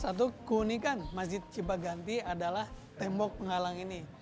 salah satu keunikan masjid cipaganti adalah tembok penghalang ini